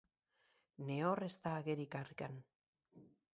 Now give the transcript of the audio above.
Nehor ez da ageri karrikan.